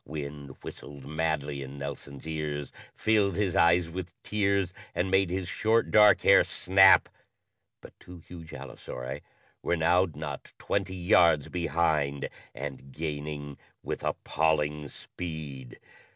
Wind whistled madly in Nelson's ears, filled his eyes with tears, and made his short, dark hair snap, but two huge allosauri were now not twenty yards behind and _gaining with appalling speed!